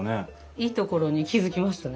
いいところに気付きましたね！